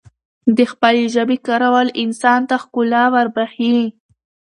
دخپلې ژبې کارول انسان ته ښکلا وربښی